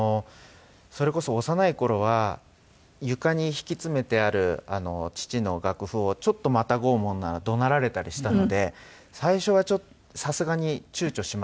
それこそ幼い頃は床に敷き詰めてある父の楽譜をちょっとまたごうものなら怒鳴られたりしたので最初はちょっとさすがに躊躇しました。